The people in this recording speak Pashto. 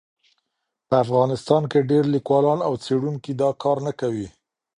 په افغانستان کې ډېر لیکوالان او څېړونکي دا کار نه کوي.